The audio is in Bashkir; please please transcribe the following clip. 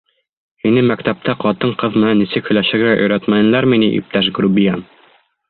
Һине мәктәптә ҡатын-ҡыҙ менән нисек һөйләшергә өйрәтмәнеләрме ни, иптәш грубиян?